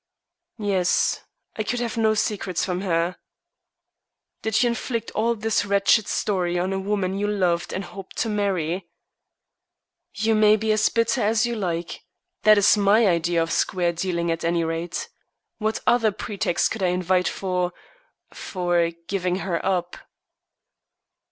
"Yes. I could have no secrets from her." "Did you inflict all this wretched story on a woman you loved and hoped to marry?" "You may be as bitter as you like. That is my idea of square dealing, at any rate. What other pretext could I invite for for giving her up?"